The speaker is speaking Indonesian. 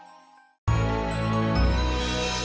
ayolah iodotnya gitu udah mati